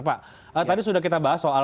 pak tadi sudah kita bahas soal